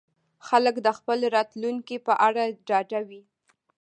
خلک د خپل راتلونکي په اړه ډاډه وي.